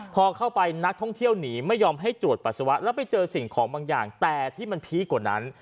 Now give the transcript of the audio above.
พอเข้าไปนักท่องเที่ยวหนีไม่ยอมให้ตรวจปัสสาวะแล้วไปเจอสิ่งของบางอย่างแต่ที่มันพีคกว่านั้น